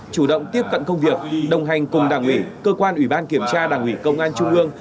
chủ động tiếp cận công việc đồng hành cùng đảng ủy cơ quan ủy ban kiểm tra đảng ủy công an trung ương